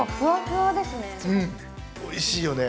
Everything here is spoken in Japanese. おいしいよね。